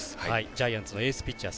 ジャイアンツのエースピッチャー